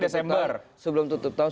sebelum tutup tahun